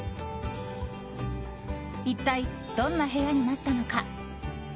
一体どんな部屋になったのか。